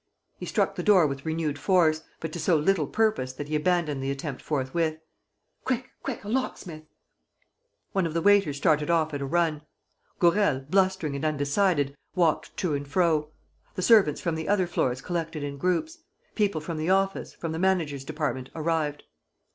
He struck the door with renewed force, but to so little purpose that he abandoned the attempt forthwith: "Quick, quick, a locksmith!" One of the waiters started off at a run. Gourel, blustering and undecided, walked to and fro. The servants from the other floors collected in groups. People from the office, from the manager's department arrived.